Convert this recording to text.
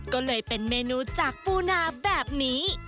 ก็เลยเป็นเมนูจากปูนาแบบนี้